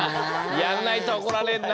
やんないとおこられるな。